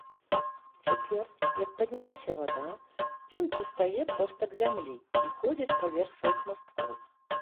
Цяпер, як паднялася вада, ён прыстае проста к зямлі і ходзіць паверх сваіх масткоў.